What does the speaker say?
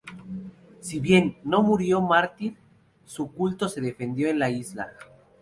Si bien no murió mártir, su culto se difundió en la isla.